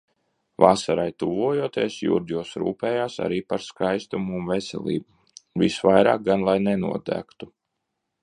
Vasarai tuvojoties, Jurģos rūpējas arī par skaistumu un veselību, visvairāk gan lai nenodegtu.